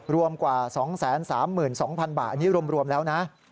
รวมกว่า๒๓๒๐๐๐บาทอันนี้รวมแล้วนะ